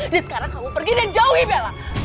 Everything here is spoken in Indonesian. dan sekarang kamu pergi dan jauhi bella